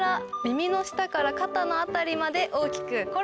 耳の下から肩の辺りまで大きくコロコロ。